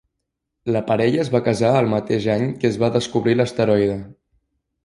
La parella es va casar el mateix any que es va descobrir l'asteroide.